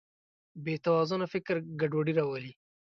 بېتوازنه فکر ګډوډي راولي.